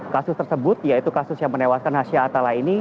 kasus tersebut yaitu kasus yang menewaskan hasha atala